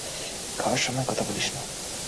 খাওয়ার সময় কথা বলিস না।